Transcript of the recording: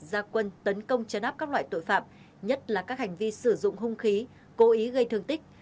gia quân tấn công chấn áp các loại tội phạm nhất là các hành vi sử dụng hung khí cố ý gây thương tích